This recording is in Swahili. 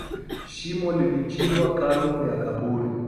Shimo lilichimbwa kando ya kaburi.